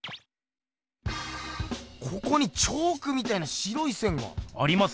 ここにチョークみたいな白い線が。ありますね。